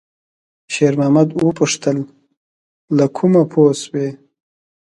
شېرمحمد وپوښتل: «له کومه پوه شوې؟»